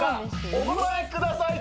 お答えください。